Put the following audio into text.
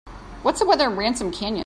What's the weather in Ransom Canyon?